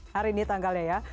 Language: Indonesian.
hari ini tanggalnya ya